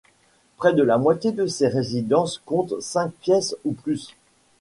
Près de la moitié de ces résidences comptent cinq pièces ou plus.